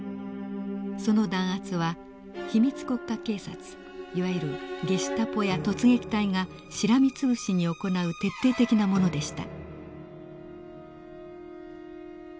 その弾圧は秘密国家警察いわゆるゲシュタポや突撃隊がしらみ潰しに行う徹底的なものでした。